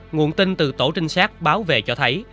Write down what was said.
nguồn tin từ tổ trinh sát báo về cho thấy